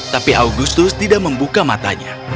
tapi augustus tidak membuka matanya